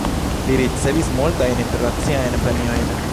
Li ricevis multajn internaciajn premiojn.